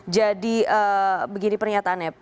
jadi begini pernyataannya